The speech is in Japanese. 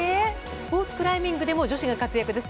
スポーツクライミングでも女子が活躍です。